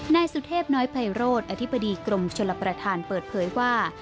นายสุเทพน้อยไพโรธอธิบดีกรมชลประธานเปิดเผยว่า